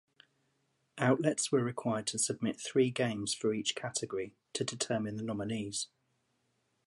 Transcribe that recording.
Outlets were required to submit three games for each category to determine the nominees.